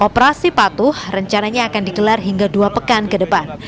operasi patuh rencananya akan digelar hingga dua pekan ke depan